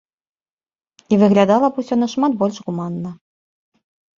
І выглядала б усё нашмат больш гуманна.